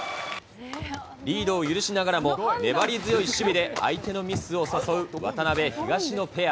リードを許しながらも粘り強い守備で相手のミスを誘う渡辺・東野ペア。